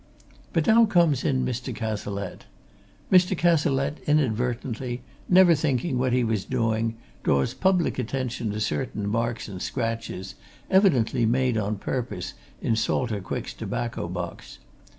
But now comes in Mr. Cazalette. Mr. Cazalette, inadvertently, never thinking what he was doing, draws public attention to certain marks and scratches, evidently made on purpose, in Salter Quick's tobacco box.